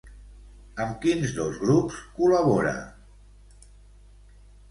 Amb quins dos grups col·labora?